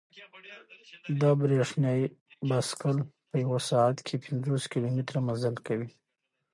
دا برېښنايي بایسکل په یوه ساعت کې پنځوس کیلومتره مزل کوي.